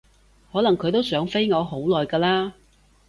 可能佢都想飛我好耐㗎喇